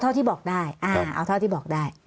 เอาเท่าที่บอกได้